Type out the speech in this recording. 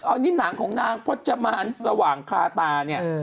อันนี้หนังของนางพจมานสว่างคาตาเนี่ย